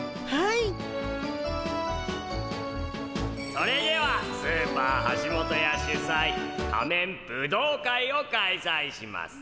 それではスーパーはしもとや主催仮面ブドウ会を開催します。